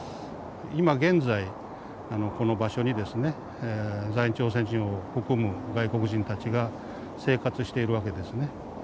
今現在この場所にですね在日朝鮮人を含む外国人たちが生活しているわけですね。